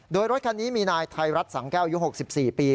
โดยรถคันนี้มีนายไทยรัฐสังแก้วอายุ๖๔ปี